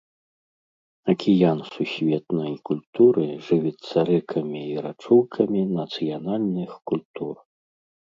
Акіян сусветнай культуры жывіцца рэкамі і рачулкамі нацыянальных культур.